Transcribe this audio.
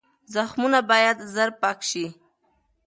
زخمونه باید زر پاک شي.